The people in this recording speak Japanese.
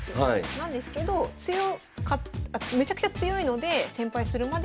なんですけどめちゃくちゃ強いので１，０００敗するまで。